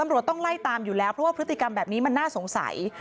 ตำรวจต้องไล่ตามอยู่แล้วเพราะว่าพฤติกรรมแบบนี้มันน่าสงสัย